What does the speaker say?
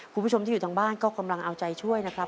คุณผู้ชมที่อยู่ทางบ้านก็กำลังเอาใจช่วยนะครับ